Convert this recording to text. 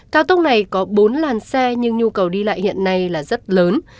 cao tốc này có bốn làn xe nhưng nhu cầu đi lại hiện nay là rất lớn